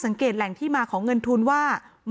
และการแสดงสมบัติของแคนดิเดตนายกนะครับ